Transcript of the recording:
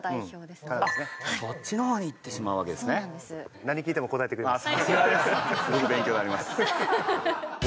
すごく勉強になります。